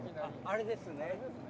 あれですね。